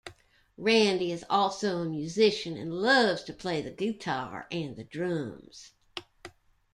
Randy is also a musician and loves to play the guitar and the drums.